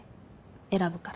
選ぶから。